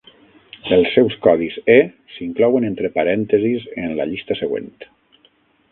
Els seus codis E s'inclouen entre parèntesis en la llista següent.